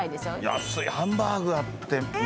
安いハンバーグあって目玉焼き。